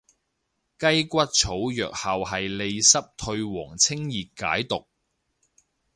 雞骨草藥效係利濕退黃清熱解毒